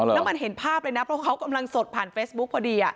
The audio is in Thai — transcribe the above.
แล้วมันเห็นภาพเลยนะเพราะเขากำลังสดผ่านเฟซบุ๊คพอดี